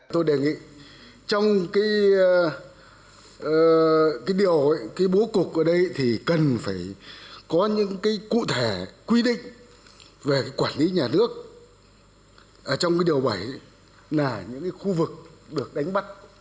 tôi đề nghị trong bố cục ở đây thì cần phải có những cụ thể quy định về quản lý nhà nước trong điều bảy là những khu vực được đánh bắt